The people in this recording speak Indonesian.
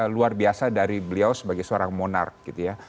luar biasa dari beliau sebagai seorang monark gitu ya